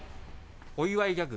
お祝いギャグ？